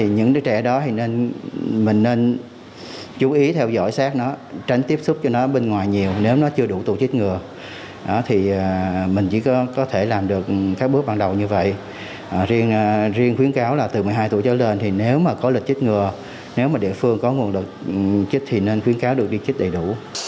nếu mà địa phương có nguồn đợt chích thì nên khuyến cáo được đi chích đầy đủ